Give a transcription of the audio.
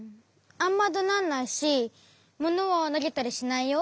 あんまどなんないしものはなげたりしないよ。